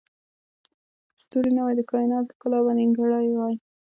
که ستوري نه وای، د کایناتو ښکلا به نیمګړې وای.